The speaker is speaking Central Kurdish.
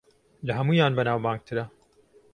لە ھەموویان بەناوبانگترە